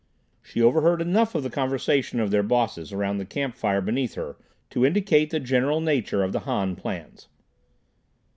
She overheard enough of the conversation of their Bosses around the camp fire beneath her to indicate the general nature of the Han plans.